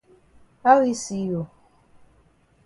How e see you?